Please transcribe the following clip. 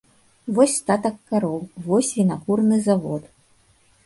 Вось статак кароў, вось вінакурны завод.